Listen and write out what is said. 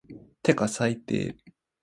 てか最低